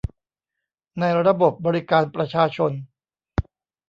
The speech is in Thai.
ในระบบบริการประชาชน